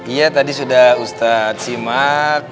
iya tadi sudah ustadz simak